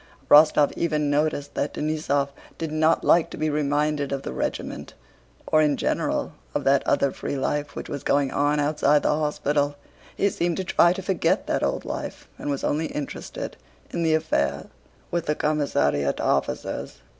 Rostóv even noticed that Denísov did not like to be reminded of the regiment, or in general of that other free life which was going on outside the hospital. He seemed to try to forget that old life and was only interested in the affair with the commissariat officers.